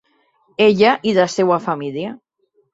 Ella i la seua família.